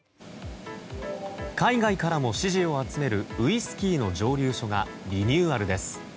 海外からも支持を集めるウイスキーの蒸留所がリニューアルです。